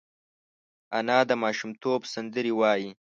انا د ماشومتوب سندرې وايي